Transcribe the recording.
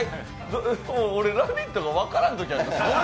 俺、「ラヴィット！」が分からんときがあります。